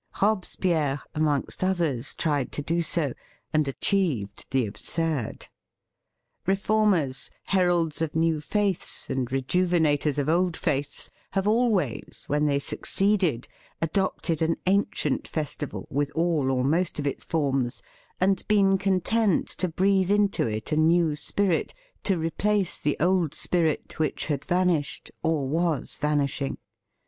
Robe spierre, amongst others, tried to do so, and achieved the absurd. Reformers, heralds of new faiths, and rejuvenat ors of old faiths, have always, when they succeeded, adopted an ancient fes tival, with all or most of its forms, and been content to breathe into it a new spirit to replace the old spirit which had vanished or was vanishing.